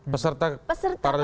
peserta parade kemana